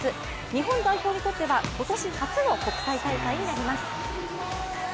日本代表にとっては今年初の国際大会になります。